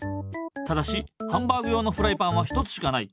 ただしハンバーグ用のフライパンは１つしかない。